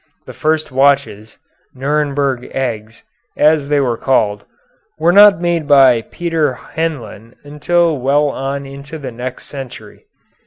The first watches, Nuremberg eggs, as they were called, were not made by Peter Henlein until well on into the next century.